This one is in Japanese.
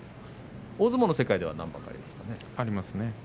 大相撲の世界ではありましたよね。